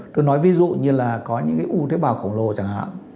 tôi nói ví dụ như là có những cái u tế bào khổng lồ chẳng hạn